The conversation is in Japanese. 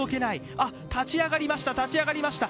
あ、立ち上がりました、立ち上がりました。